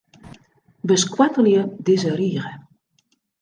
Beskoattelje dizze rige.